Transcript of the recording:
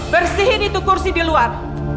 bersihin itu kursi di luar